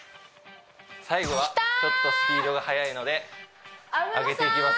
最後はちょっとスピードが速いのできたー！